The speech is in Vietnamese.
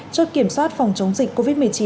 chốt kiểm soát phòng chống dịch covid một mươi chín